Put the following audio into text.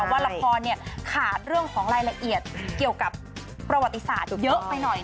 ว่าละครขาดเรื่องของรายละเอียดเกี่ยวกับประวัติศาสตร์เยอะไปหน่อย